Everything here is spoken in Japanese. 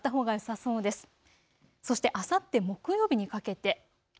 そしてあさって木曜日にかけて。